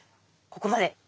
ここまで。